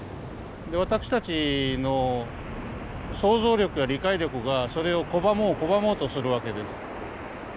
私たちの想像力や理解力がそれを拒もう拒もうとするわけです。